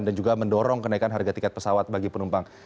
dan juga mendorong kenaikan harga tiket pesawat bagi penumpang